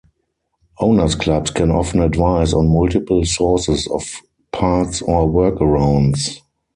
Owners clubs can often advise on multiple sources of parts or workarounds.